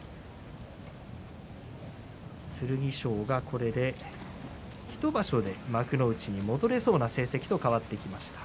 剣翔がこれで１場所で幕内に戻れそうな成績に戻ってきました。